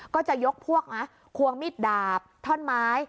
ก็จะยกพวกนะควงมิดดาบท่อนไม้